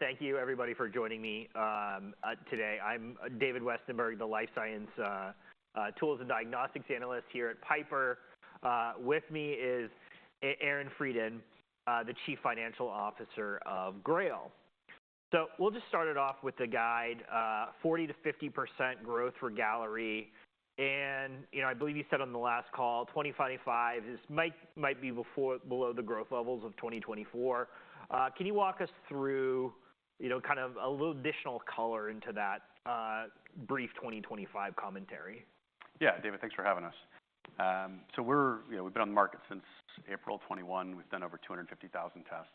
Thank you, everybody, for joining me today. I'm David Westenberg, the Life Science, Tools and Diagnostics Analyst here at Piper. With me is Aaron Freidin, the Chief Financial Officer of GRAIL. We'll just start it off with the guide, 40%-50% growth for Galleri. And, you know, I believe you said on the last call, 2025 might be below the growth levels of 2024. Can you walk us through, you know, kind of a little additional color into that, brief 2025 commentary? Yeah, David, thanks for having us. So we're, you know, we've been on the market since April 2021. We've done over 250,000 tests.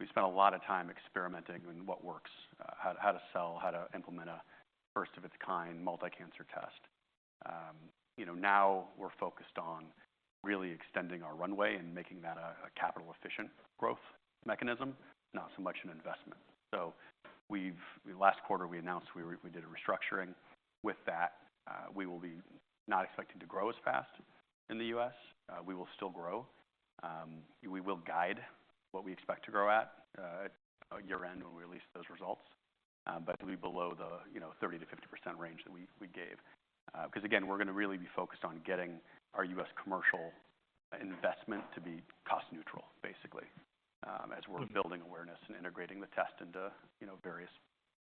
We spent a lot of time experimenting in what works, how to sell, how to implement a first-of-its-kind multi-cancer test. You know, now we're focused on really extending our runway and making that a capital-efficient growth mechanism, not so much an investment. So we've, last quarter, we announced we did a restructuring with that. We will be not expecting to grow as fast in the U.S. We will still grow. We will guide what we expect to grow at, at year-end when we release those results, but it'll be below the, you know, 30%-50% range that we gave. 'Cause again, we're gonna really be focused on getting our U.S. commercial investment to be cost-neutral, basically, as we're building awareness and integrating the test into, you know, various,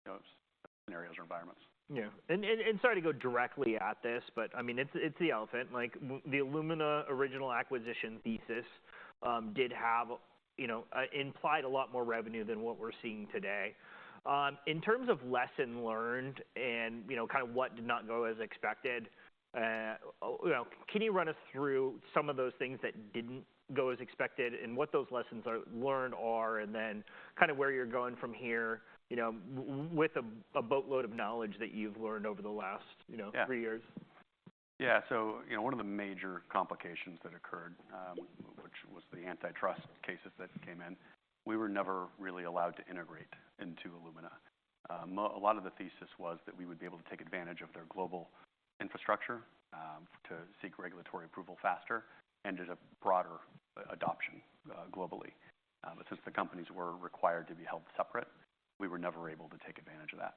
you know, scenarios or environments. Yeah. And sorry to go directly at this, but I mean, it's the elephant. Like, the Illumina original acquisition thesis did have, you know, implied a lot more revenue than what we're seeing today. In terms of lesson learned and, you know, kind of what did not go as expected, you know, can you run us through some of those things that didn't go as expected and what those lessons learned are and then kind of where you're going from here, you know, with a boatload of knowledge that you've learned over the last, you know, three years? Yeah. Yeah, so you know, one of the major complications that occurred, which was the antitrust cases that came in, we were never really allowed to integrate into Illumina, a lot of the thesis was that we would be able to take advantage of their global infrastructure, to seek regulatory approval faster, and just a broader adoption, globally, but since the companies were required to be held separate, we were never able to take advantage of that,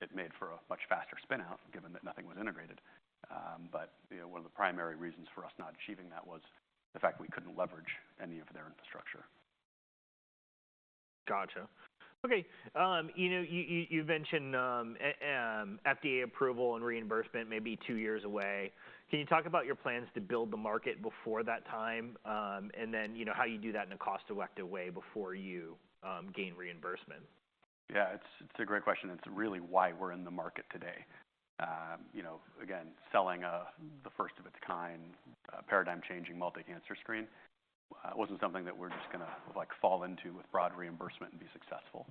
it made for a much faster spinout given that nothing was integrated, but you know, one of the primary reasons for us not achieving that was the fact we couldn't leverage any of their infrastructure. Gotcha. Okay. You know, you mentioned FDA approval and reimbursement maybe two years away. Can you talk about your plans to build the market before that time, and then, you know, how you do that in a cost-effective way before you gain reimbursement? Yeah. It's a great question. It's really why we're in the market today. You know, again, selling the first-of-its-kind, paradigm-changing multi-cancer screen, wasn't something that we're just gonna, like, fall into with broad reimbursement and be successful.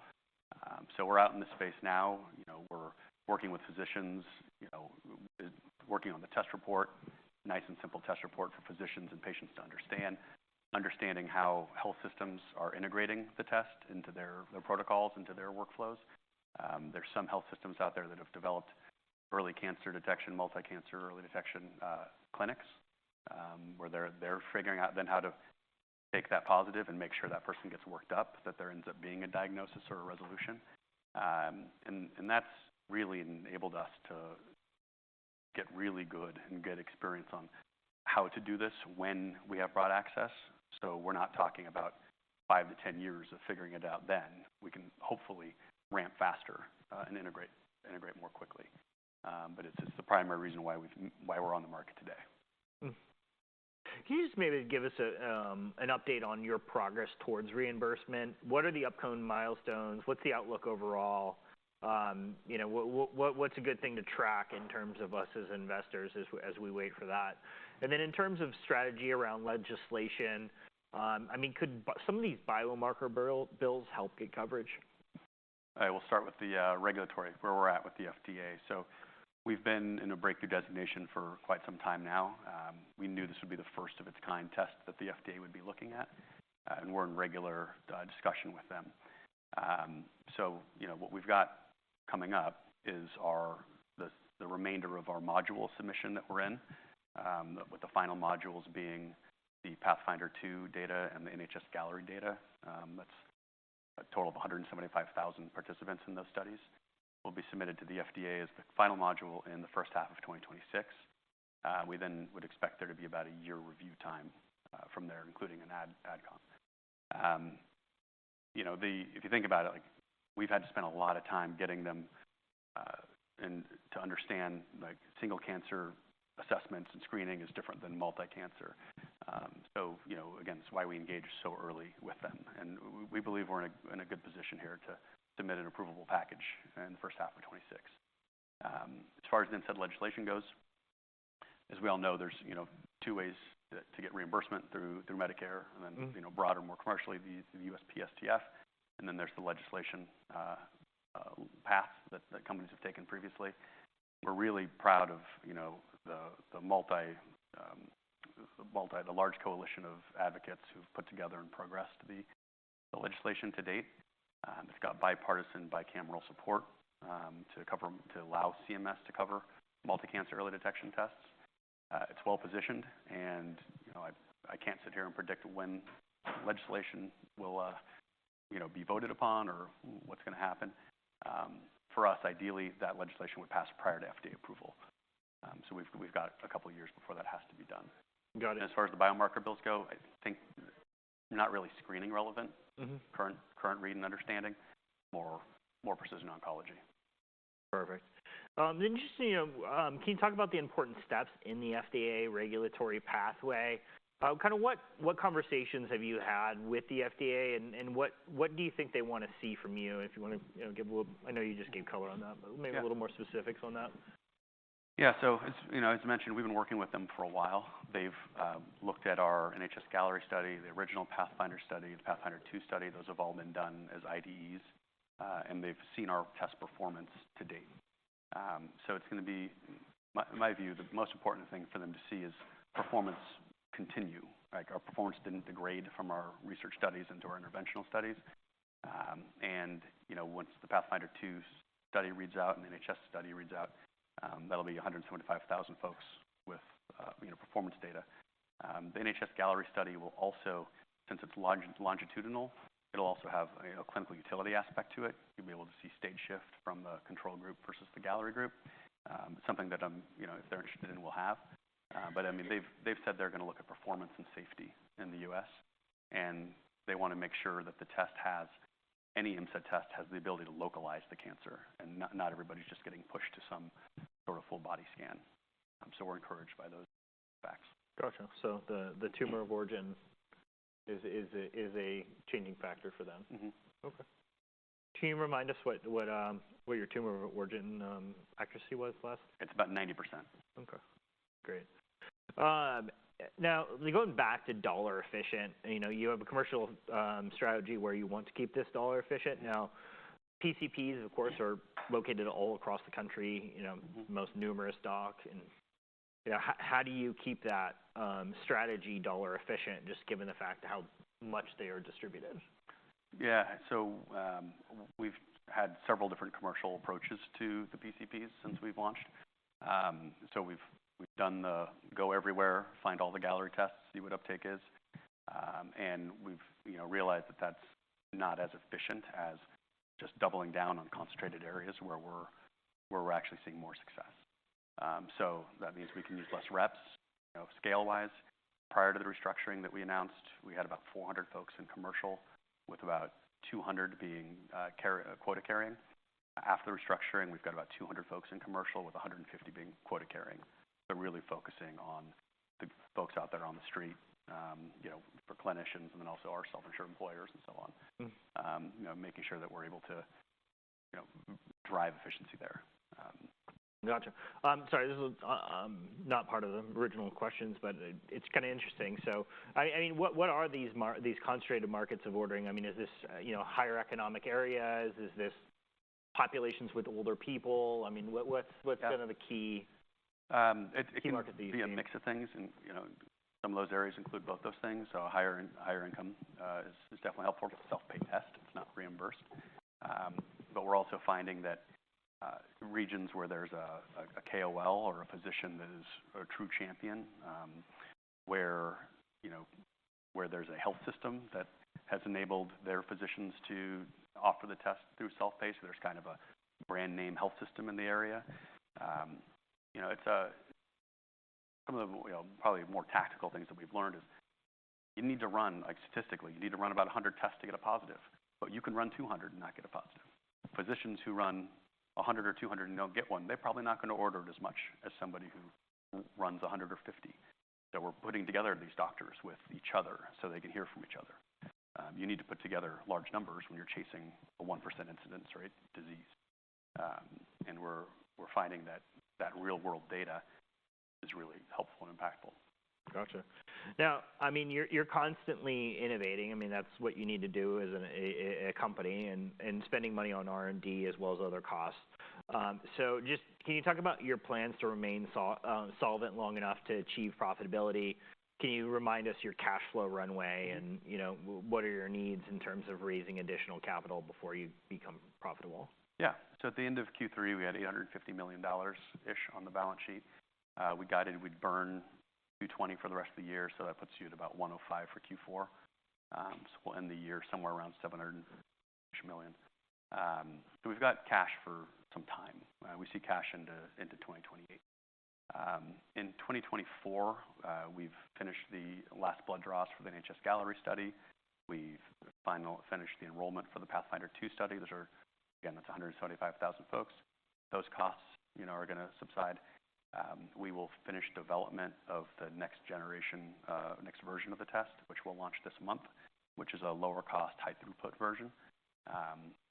We're out in the space now. You know, we're working with physicians, you know, working on the test report, nice and simple test report for physicians and patients to understand, understanding how health systems are integrating the test into their protocols, into their workflows. There are some health systems out there that have developed early cancer detection, multi-cancer early detection, clinics, where they're figuring out then how to take that positive and make sure that person gets worked up, that there ends up being a diagnosis or a resolution. That's really enabled us to get really good experience on how to do this when we have broad access, so we're not talking about 5-10 years of figuring it out then. We can hopefully ramp faster and integrate more quickly, but it's the primary reason why we're on the market today. Can you just maybe give us an update on your progress towards reimbursement? What are the upcoming milestones? What's the outlook overall? You know, what's a good thing to track in terms of us as investors as we wait for that? And then in terms of strategy around legislation, I mean, could some of these biomarker bills help get coverage? All right. We'll start with the regulatory where we're at with the FDA. So we've been in a breakthrough designation for quite some time now. We knew this would be the first-of-its-kind test that the FDA would be looking at, and we're in regular discussion with them. So, you know, what we've got coming up is our the remainder of our module submission that we're in, with the final modules being the Pathfinder 2 data and the NHS-Galleri data. That's a total of 175,000 participants in those studies. It'll be submitted to the FDA as the final module in the first half of 2026. We then would expect there to be about a year review time from there, including an AdCom. You know, if you think about it, like, we've had to spend a lot of time getting them and to understand, like, single cancer assessments and screening is different than multi-cancer. So you know, again, it's why we engage so early with them. We believe we're in a good position here to submit an approvable package in the first half of 2026. As far as inside legislation goes, as we all know, there's you know, two ways to get reimbursement through Medicare, and then, you know, broader, more commercially, the USPSTF. Then there's the legislation path that companies have taken previously. We're really proud of, you know, the large coalition of advocates who've put together and progressed the legislation to date. It's got bipartisan, bicameral support to cover, to allow CMS to cover multi-cancer early detection tests. It's well-positioned, and you know, I, I can't sit here and predict when legislation will, you know, be voted upon or what's gonna happen. For us, ideally, that legislation would pass prior to FDA approval. So we've, we've got a couple of years before that has to be done. Got it. As far as the biomarker bills go, I think not really screening relevant. Mm-hmm. Current read and understanding, more precision oncology. Perfect. Interesting. Can you talk about the important steps in the FDA regulatory pathway? Kind of what, what conversations have you had with the FDA and, and what, what do you think they wanna see from you? If you wanna, you know, give a little, I know you just gave color on that, but maybe a little more specifics on that. Yeah. So it's, you know, as I mentioned, we've been working with them for a while. They've looked at our NHS Galleri study, the original Pathfinder study, the Pathfinder 2 study. Those have all been done as IDEs, and they've seen our test performance to date, so it's gonna be, in my view, the most important thing for them to see is performance continue. Like, our performance didn't degrade from our research studies into our interventional studies, and, you know, once the Pathfinder 2 study reads out and the NHS study reads out, that'll be 175,000 folks with, you know, performance data. The NHS Galleri study will also, since it's longitudinal, have a clinical utility aspect to it. You'll be able to see stage shift from the control group versus the Galleri group. Something that, you know, if they're interested in, we'll have. But I mean, they've said they're gonna look at performance and safety in the U.S., and they wanna make sure that any MCED test has the ability to localize the cancer, and not everybody's just getting pushed to some sort of full-body scan, so we're encouraged by those facts. Gotcha. So the tumor of origin is a changing factor for them. Mm-hmm. Okay. Can you remind us what your tumor of origin accuracy was last? It's about 90%. Okay. Great. Now, going back to dollar-efficient, you know, you have a commercial strategy where you want to keep this dollar-efficient. Now, PCPs, of course, are located all across the country, you know, most numerous doc. And, you know, how do you keep that strategy dollar-efficient just given the fact how much they are distributed? Yeah. So, we've had several different commercial approaches to the PCPs since we've launched. So we've done the go everywhere, find all the Galleri tests, see what uptake is. And we've, you know, realized that that's not as efficient as just doubling down on concentrated areas where we're actually seeing more success. So that means we can use less reps, you know, scale-wise. Prior to the restructuring that we announced, we had about 400 folks in commercial with about 200 being quota-carrying. After restructuring, we've got about 200 folks in commercial with 150 being quota-carrying. So really focusing on the folks out there on the street, you know, for clinicians and then also our self-insured employers and so on. Mm-hmm. You know, making sure that we're able to, you know, drive efficiency there. Gotcha. Sorry. This is not part of the original questions, but it's kinda interesting. So, I mean, what are these are these concentrated markets of ordering? I mean, is this, you know, higher economic areas? Is this populations with older people? I mean, what's kinda the key? It can be a mix of things, and you know, some of those areas include both those things. So higher income is definitely helpful. It's a self-pay test. It's not reimbursed, but we're also finding that regions where there's a KOL or a physician that is a true champion, where you know, where there's a health system that has enabled their physicians to offer the test through self-pay, so there's kind of a brand-name health system in the area. You know, some of the, you know, probably more tactical things that we've learned is you need to run, like, statistically, about 100 tests to get a positive, but you can run 200 and not get a positive. Physicians who run 100 or 200 and don't get one, they're probably not gonna order it as much as somebody who runs 100 or 50. So we're putting together these doctors with each other so they can hear from each other. You need to put together large numbers when you're chasing a 1% incidence, right, disease. And we're finding that real-world data is really helpful and impactful. Gotcha. Now, I mean, you're constantly innovating. I mean, that's what you need to do as a company and spending money on R&D as well as other costs, so just can you talk about your plans to remain solvent long enough to achieve profitability? Can you remind us your cash flow runway and, you know, what are your needs in terms of raising additional capital before you become profitable? Yeah. So at the end of Q3, we had $850 million-ish on the balance sheet. We guided we'd burn $220 million for the rest of the year, so that puts you at about $105 million for Q4. So we'll end the year somewhere around $700 million-ish. So we've got cash for some time. We see cash into 2028. In 2024, we've finished the last blood draws for the NHS Galleri study. We've finally finished the enrollment for the Pathfinder 2 study. Those are, again, that's 175,000 folks. Those costs, you know, are gonna subside. We will finish development of the next generation, next version of the test, which we'll launch this month, which is a lower-cost, high-throughput version.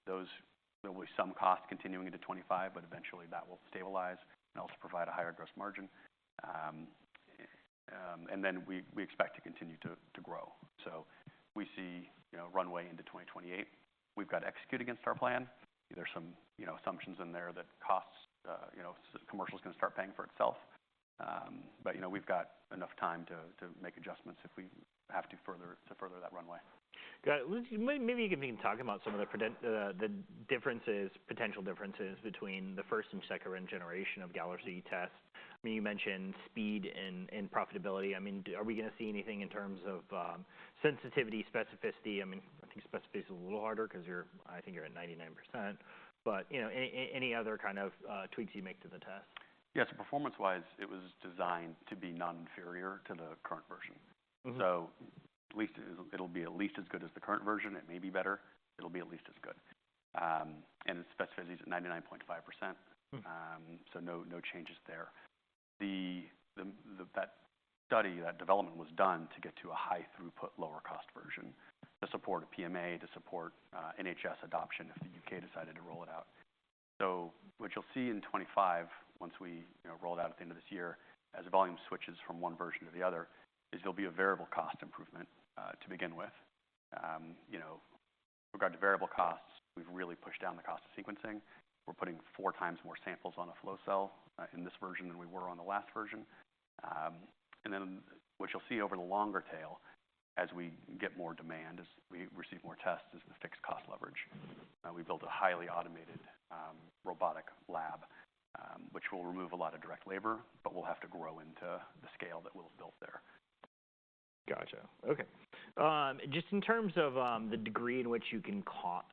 Those there'll be some cost continuing into 2025, but eventually that will stabilize and also provide a higher gross margin. And then we expect to continue to grow. So we see, you know, runway into 2028. We've got to execute against our plan. There's some, you know, assumptions in there that costs, you know, commercial's gonna start paying for itself. But, you know, we've got enough time to make adjustments if we have to further that runway. Got it. Lastly, maybe you can even talk about some of the differences, potential differences between the first and second-generation of Galleri tests. I mean, you mentioned speed and profitability. I mean, are we gonna see anything in terms of sensitivity, specificity? I mean, I think specificity's a little harder 'cause you're—I think you're at 99%. But, you know, any other kind of tweaks you make to the test? Yeah, so performance-wise, it was designed to be non-inferior to the current version. Mm-hmm. So at least it'll be at least as good as the current version. It may be better. It'll be at least as good, and its specificity's at 99.5%. So no, no changes there. That study, that development was done to get to a high-throughput, lower-cost version to support a PMA, to support NHS adoption if the U.K. decided to roll it out. So what you'll see in 2025, once we, you know, roll it out at the end of this year, as volume switches from one version to the other, is there'll be a variable cost improvement, to begin with. You know, with regard to variable costs, we've really pushed down the cost of sequencing. We're putting four times more samples on a flow cell in this version than we were on the last version. And then what you'll see over the longer tail, as we get more demand, as we receive more tests, is the fixed cost leverage. We built a highly automated, robotic lab, which will remove a lot of direct labor, but we'll have to grow into the scale that we'll have built there. Gotcha. Okay. Just in terms of the degree in which you can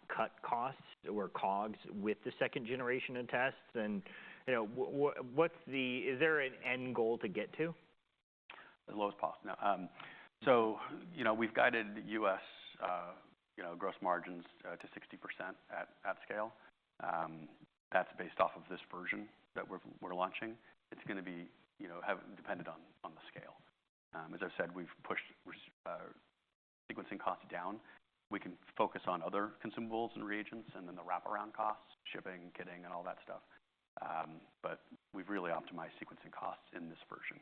cut costs or COGS with the second generation of tests and, you know, what's the—is there an end goal to get to? As low as possible. No. So, you know, we've guided the U.S., you know, gross margins, to 60% at scale. That's based off of this version that we're launching. It's gonna be, you know, have depended on the scale. As I've said, we've pushed sequencing costs down. We can focus on other consumables and reagents and then the wraparound costs, shipping, kitting, and all that stuff. But we've really optimized sequencing costs in this version.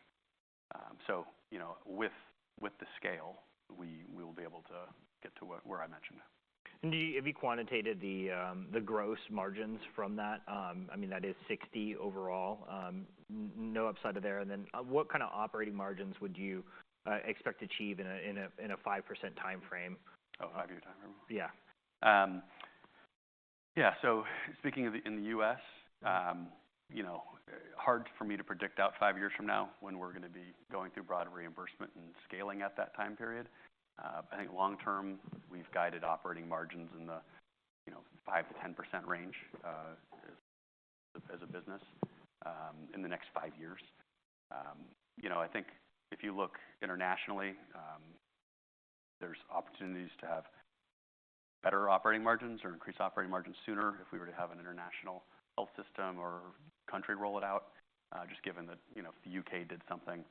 So, you know, with the scale, we will be able to get to what, where I mentioned. Have you quantitated the gross margins from that? I mean, that is 60% overall. No upside from there. Then, what kinda operating margins would you expect to achieve in a 5-year timeframe? Oh, five-year timeframe? Yeah. Yeah. So speaking of—in the U.S., you know, hard for me to predict out five years from now when we're gonna be going through broad reimbursement and scaling at that time period. I think long-term, we've guided operating margins in the, you know, 5%-10% range, as a business, in the next five years. You know, I think if you look internationally, there's opportunities to have better operating margins or increase operating margins sooner if we were to have an international health system or country roll it out. Just given that, you know, if the UK did something,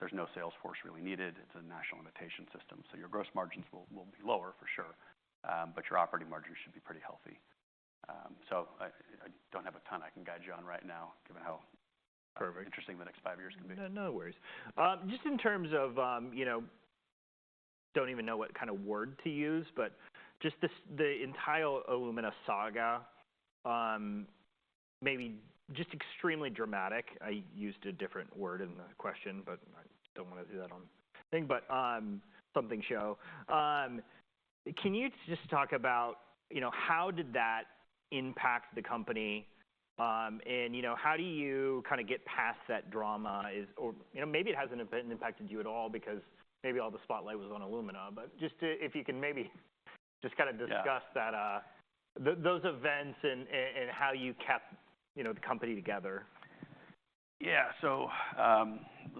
there's no sales force really needed. It's a national health system. So your gross margins will be lower for sure. But your operating margins should be pretty healthy. So I don't have a ton I can guide you on right now, given how. Perfect. Interesting, the next five years can be. No, no worries. Just in terms of, you know, don't even know what kinda word to use, but just this the entire Illumina saga, maybe just extremely dramatic. I used a different word in the question, but I don't wanna do that one thing. But something show. Can you just talk about, you know, how did that impact the company? And you know, how do you kinda get past that drama? Or you know, maybe it hasn't impacted you at all because maybe all the spotlight was on Illumina, but just to, if you can maybe just kinda discuss that, those events and how you kept, you know, the company together. Yeah. So,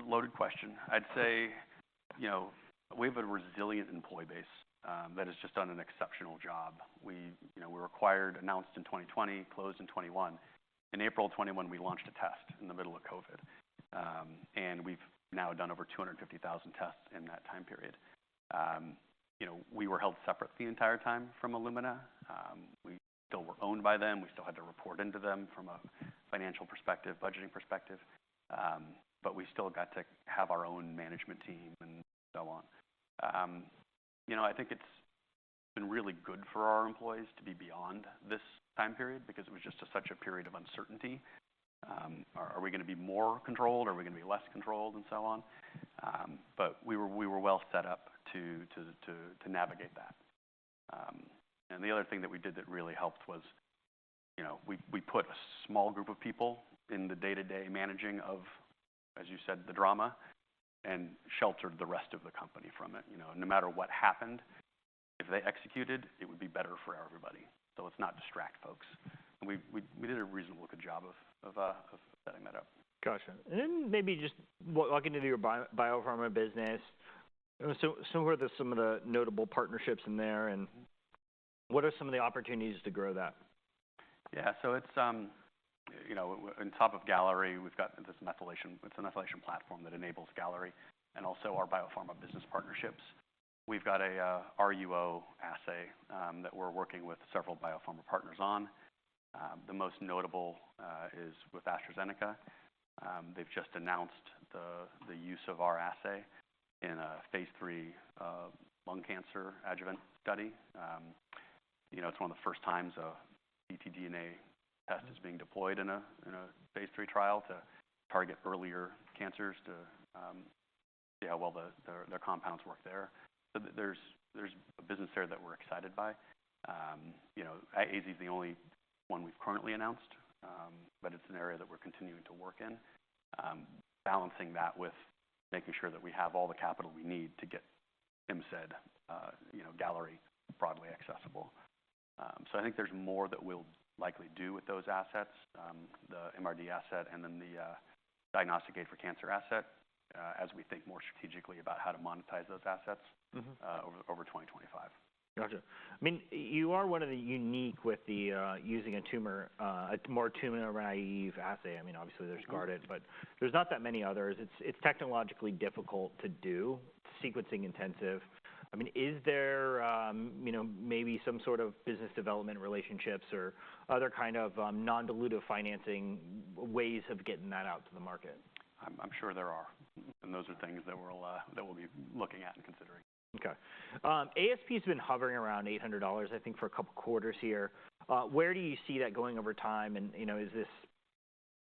loaded question. I'd say, you know, we have a resilient employee base that has just done an exceptional job. We, you know, we were acquired, announced in 2020, closed in 2021. In April 2021, we launched a test in the middle of COVID. And we've now done over 250,000 tests in that time period. You know, we were held separate the entire time from Illumina. We still were owned by them. We still had to report into them from a financial perspective, budgeting perspective. But we still got to have our own management team and so on. You know, I think it's been really good for our employees to be beyond this time period because it was just such a period of uncertainty. Are we gonna be more controlled? Are we gonna be less controlled? And so on. But we were well set up to navigate that. And the other thing that we did that really helped was, you know, we put a small group of people in the day-to-day managing of, as you said, the drama and sheltered the rest of the company from it. You know, no matter what happened, if they executed, it would be better for everybody. So let's not distract folks. And we did a reasonably good job of setting that up. Gotcha. And then maybe just walking into your biopharma business, you know, so where are some of the notable partnerships in there and what are some of the opportunities to grow that? Yeah. So it's, you know, on top of Galleri, we've got this methylation. It's a methylation platform that enables Galleri and also our biopharma business partnerships. We've got a RUO assay that we're working with several biopharma partners on. The most notable is with AstraZeneca. They've just announced the use of our assay in a phase three lung cancer adjuvant study. You know, it's one of the first times a ctDNA test is being deployed in a phase three trial to target earlier cancers to see how well the compounds work there. So there's a business there that we're excited by. You know, AZ's the only one we've currently announced, but it's an area that we're continuing to work in, balancing that with making sure that we have all the capital we need to get MCED, you know, Galleri broadly accessible. So I think there's more that we'll likely do with those assets, the MRD asset and then the diagnostic aid for cancer asset, as we think more strategically about how to monetize those assets. Mm-hmm. over 2025. Gotcha. I mean, you are one of the unique with the using a more tumor-naive assay. I mean, obviously, there's Guardant, but there's not that many others. It's technologically difficult to do. It's sequencing intensive. I mean, is there, you know, maybe some sort of business development relationships or other kind of non-dilutive financing ways of getting that out to the market? I'm sure there are. And those are things that we'll be looking at and considering. Okay. ASP's been hovering around $800, I think, for a couple quarters here. Where do you see that going over time? And, you know, is this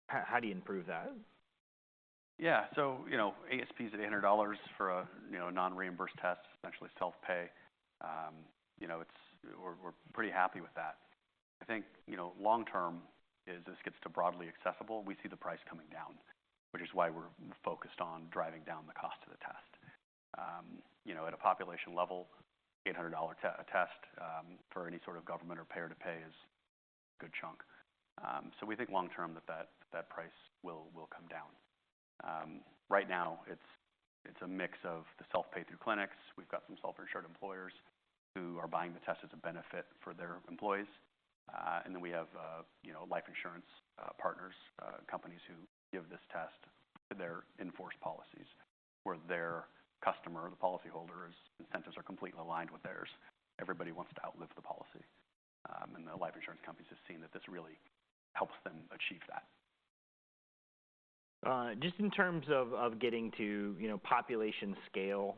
how, how do you improve that? Yeah. So, you know, ASP's at $800 for a, you know, non-reimbursed test, essentially self-pay. You know, it's, we're pretty happy with that. I think, you know, long-term as this gets to broadly accessible. We see the price coming down, which is why we're focused on driving down the cost of the test. You know, at a population level, $800 to a test, for any sort of government or payer to payer is a good chunk. So we think long-term that that price will come down. Right now, it's a mix of the self-pay through clinics. We've got some self-insured employers who are buying the test as a benefit for their employees. And then we have, you know, life insurance partners, companies who give this test to their insured policies where their customer, the policyholder, whose incentives are completely aligned with theirs. Everybody wants to outlive the policy. And the life insurance companies have seen that this really helps them achieve that. Just in terms of getting to, you know, population scale,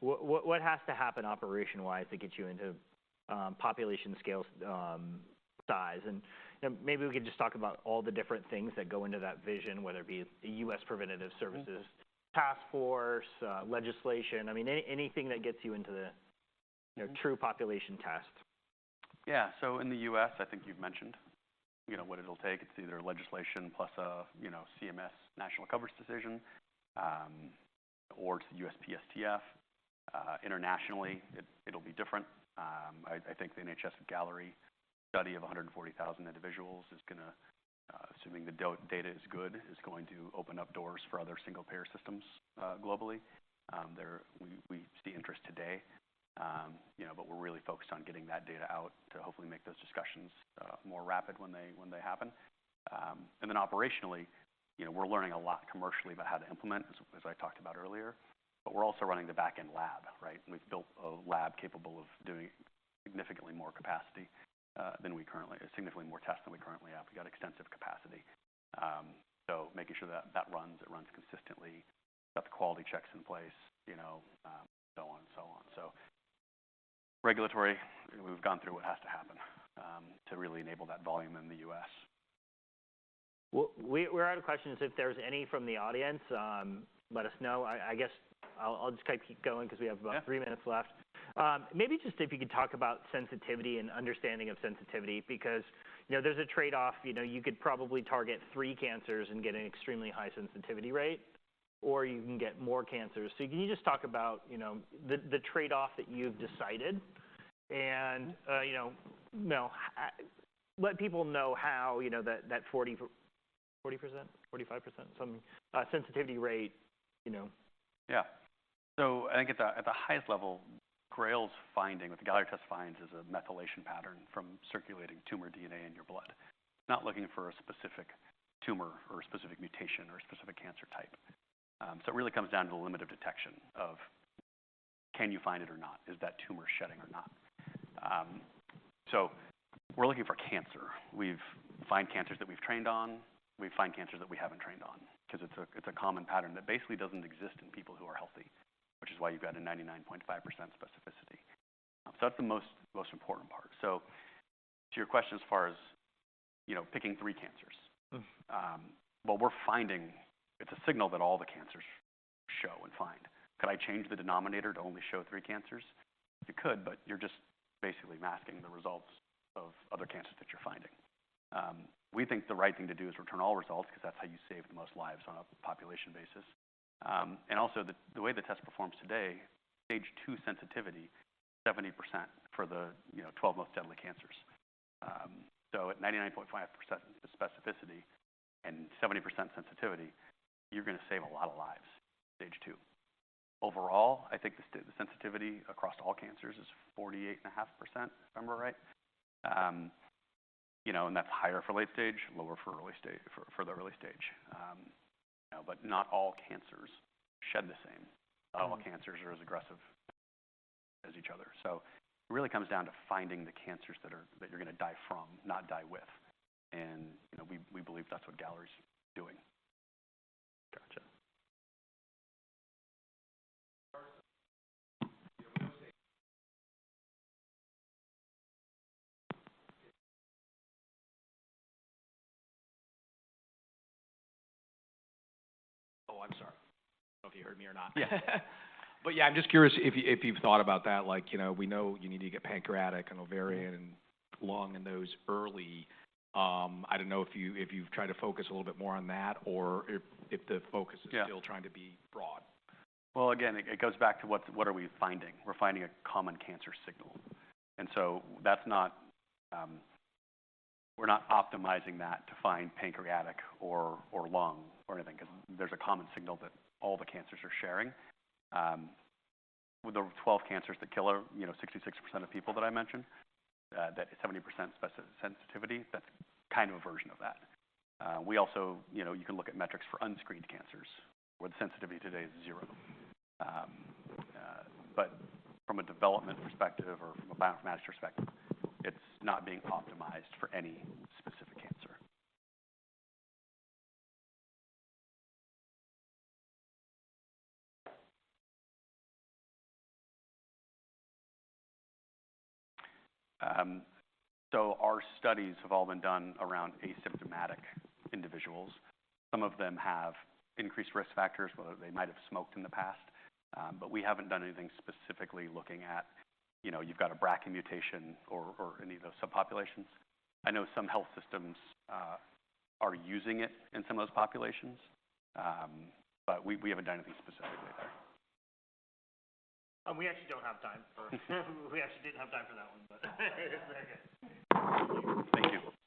what has to happen operation-wise to get you into population scale size? And, you know, maybe we could just talk about all the different things that go into that vision, whether it be U.S. Preventive Services Task Force, legislation. I mean, anything that gets you into the, you know, true population test. Yeah. So in the U.S., I think you've mentioned, you know, what it'll take. It's either legislation plus a, you know, CMS national coverage decision, or it's the USPSTF. Internationally, it'll be different. I think the NHS-Galleri study of 140,000 individuals is gonna, assuming the data is good, is going to open up doors for other single-payer systems, globally. We see interest today, you know, but we're really focused on getting that data out to hopefully make those discussions more rapid when they happen. And then operationally, you know, we're learning a lot commercially about how to implement, as I talked about earlier. But we're also running the back-end lab, right? We've built a lab capable of doing significantly more capacity than we currently have, significantly more tests than we currently have. We've got extensive capacity. So making sure that that runs, it runs consistently. We've got the quality checks in place, you know, so on and so on. So regulatory, we've gone through what has to happen, to really enable that volume in the U.S. We're out of questions. If there's any from the audience, let us know. I guess I'll just kinda keep going 'cause we have about. Yeah. Three minutes left. Maybe just if you could talk about sensitivity and understanding of sensitivity because, you know, there's a trade-off. You know, you could probably target three cancers and get an extremely high sensitivity rate, or you can get more cancers. So can you just talk about, you know, the, the trade-off that you've decided and, you know, you know, let people know how, you know, that, that 40%, 45%, something, sensitivity rate, you know? Yeah. So I think at the highest level, GRAIL's finding, what the Galleri test finds is a methylation pattern from circulating tumor DNA in your blood. It's not looking for a specific tumor or a specific mutation or a specific cancer type. So it really comes down to the limit of detection of can you find it or not? Is that tumor shedding or not? So we're looking for cancer. We find cancers that we've trained on. We find cancers that we haven't trained on 'cause it's a common pattern that basically doesn't exist in people who are healthy, which is why you've got a 99.5% specificity. So that's the most important part. So to your question as far as, you know, picking three cancers, well, we're finding it's a signal that all the cancers show and find. Could I change the denominator to only show three cancers? You could, but you're just basically masking the results of other cancers that you're finding. We think the right thing to do is return all results 'cause that's how you save the most lives on a population basis, and also the way the test performs today, stage two sensitivity is 70% for the you know 12 most deadly cancers, so at 99.5% specificity and 70% sensitivity, you're gonna save a lot of lives, stage two. Overall, I think the sensitivity across all cancers is 48.5%, if I remember right. You know, and that's higher for late stage, lower for early stage, for the early stage. You know, but not all cancers shed the same. Mm-hmm. Not all cancers are as aggressive as each other. So it really comes down to finding the cancers that you're gonna die from, not die with. And, you know, we believe that's what Galleri's doing. Gotcha. Oh, I'm sorry. I don't know if you heard me or not. Yeah. But yeah, I'm just curious if you, if you've thought about that. Like, you know, we know you need to get pancreatic and ovarian and lung in those early. I don't know if you, if you've tried to focus a little bit more on that or if, if the focus is still trying to be broad. Again, it goes back to what are we finding? We're finding a common cancer signal. That's not, we're not optimizing that to find pancreatic or lung or anything 'cause there's a common signal that all the cancers are sharing with the 12 cancers that kill, you know, 66% of people that I mentioned. That 70% sensitivity, that's kind of a version of that. We also, you know, you can look at metrics for unscreened cancers where the sensitivity today is zero. From a development perspective or from a biopharma perspective, it's not being optimized for any specific cancer. Our studies have all been done around asymptomatic individuals. Some of them have increased risk factors, whether they might have smoked in the past. But we haven't done anything specifically looking at, you know, you've got a BRCA mutation or, or any of those subpopulations. I know some health systems are using it in some of those populations. But we, we haven't done anything specifically there. We actually didn't have time for that one, but it's very good. Thank you.